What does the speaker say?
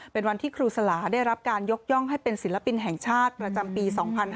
เป็นวันที่ครูสลาได้รับการยกย่องให้เป็นศิลปินแห่งชาติประจำปี๒๕๕๙